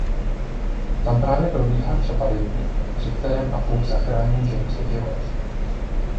Tam právě probíhá přepadení při kterém Apu zachrání Jamesi život.